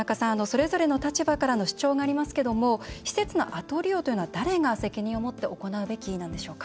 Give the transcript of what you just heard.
それぞれの立場からの主張がありますけども施設の後利用というのは誰が責任を持って行うべきなんでしょうか。